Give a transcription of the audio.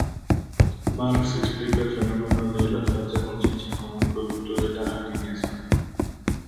Marx explica el fenómeno de la falsa conciencia como un producto de la alienación.